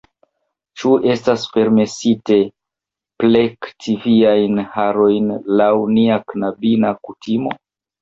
Ĉu estas permesite plekti viajn harojn laŭ nia knabina kutimo?